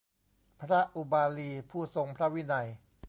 พระอุบาลี ผู้ทรงพระวินัย